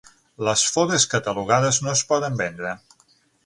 Les forests catalogades no es poden vendre.